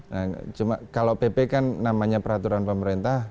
nah cuma kalau pp kan namanya peraturan pemerintah